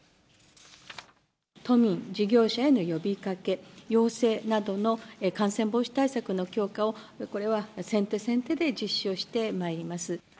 都民、事業者への呼びかけ、要請などの感染防止対策の強化を、これは先手先手で実施をしてまいります。